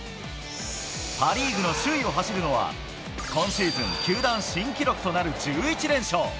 パ・リーグの首位を走るのは、今シーズン球団新記録となる１１連勝。